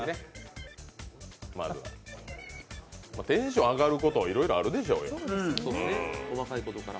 テンション上がること、いろいろあるでしょうよ。